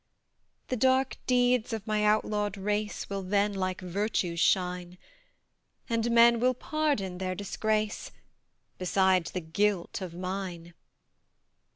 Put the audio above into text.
The dark deeds of my outlawed race Will then like virtues shine; And men will pardon their disgrace, Beside the guilt of mine.